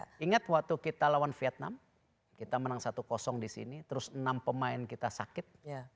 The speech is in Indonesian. dan gini inget waktu kita lawan vietnam kita menang satu disini terus enam pemain kita sakit